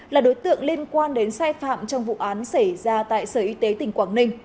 là đối tượng liên quan đến sai phạm trong vụ án xảy ra tại sở y tế tỉnh quảng ninh